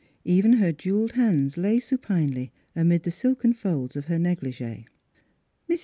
Even her jewelled hands lay supinely amid the silken folds of her negligee. Mrs.